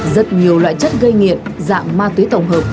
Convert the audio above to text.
rất nhiều loại chất gây nghiện dạng ma túy tổng hợp